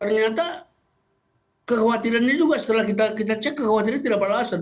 ternyata kekhawatirannya juga setelah kita cek kekhawatirannya tidak pada aset